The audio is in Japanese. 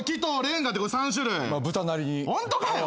ホントかよ。